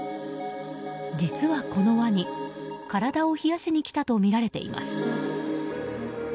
実は、このワニ体を冷やしに来たとみられています。